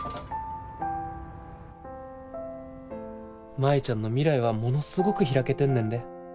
舞ちゃんの未来はものすごく開けてんねんで。